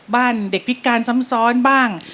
บ้านเด็กพิการซ้ำซ้อนบ้าง